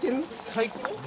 サイコロ？